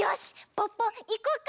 ポッポいこっか！